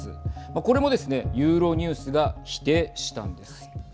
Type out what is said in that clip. これもですね、ユーロニュースが否定したんです。